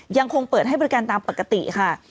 ยังคงเปิดให้บริการตามปกติค่ะ